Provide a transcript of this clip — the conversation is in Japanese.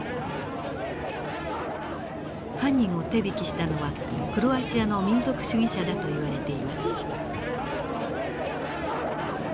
犯人を手引きしたのはクロアチアの民族主義者だといわれています。